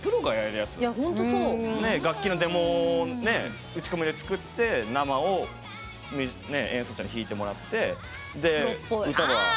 ねえ楽器のデモをね打ち込みで作って生を演奏者に弾いてもらってで歌は。